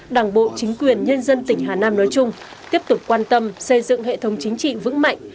đảng bộ chính quyền nhân dân tỉnh hà nam nói chung tiếp tục quan tâm xây dựng hệ thống chính trị vững mạnh